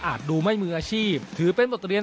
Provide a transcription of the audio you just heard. ดูไม่มืออาชีพถือเป็นบทเรียน